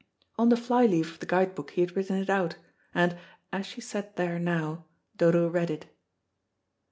On the fly leaf of the guide book he had written it out, and, as she sat there now, Dodo read it.